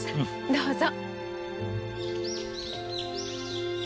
どうぞ。